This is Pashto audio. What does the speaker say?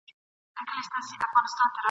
کله کله به هیلۍ ورته راتللې !.